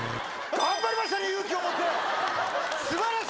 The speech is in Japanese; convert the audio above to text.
頑張りましたね、勇気を持って。